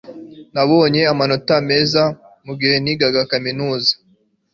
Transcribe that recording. Nabonye amanota meza igihe nigaga muri kaminuza